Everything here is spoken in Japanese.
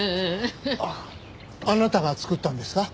あなたが作ったんですか？